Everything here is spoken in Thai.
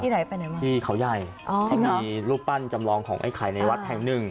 ไหนไปไหนมาที่เขาใหญ่อ๋อที่มีรูปปั้นจำลองของไอ้ไข่ในวัดแห่งหนึ่ง